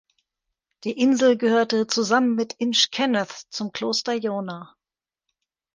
Die Insel gehörte zusammen mit Inch Kenneth zum Kloster Iona.